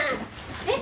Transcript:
えっ？